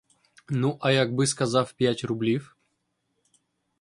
Ну, а якби сказав п'ять рублів?